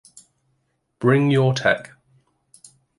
Bring your tech.